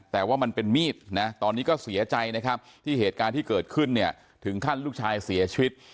แต่ว่ามันเป็นมีดนะตอนนี้ก็เสียใจนะครับที่เหตุการณ์ที่เกิดขึ้นเนี่ยถึงขั้นลูกชายเสียชีวิต